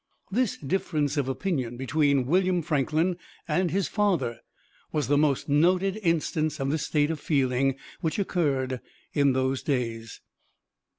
This difference of opinion between William Franklin and his father was the most noted instance of this state of feeling which occurred in those days.